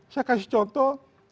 saya kasih contoh